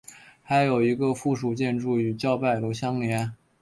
还有一个附属建筑与叫拜楼相连。